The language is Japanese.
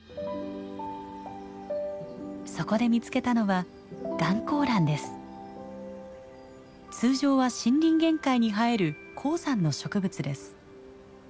そこで見つけたのは通常は森林限界に生える高山の植物です。